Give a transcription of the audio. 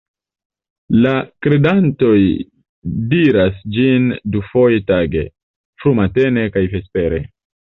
La kredantoj diras ĝin dufoje tage, frumatene kaj vespere.